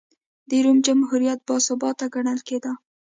د روم جمهوریت باثباته ګڼل کېده.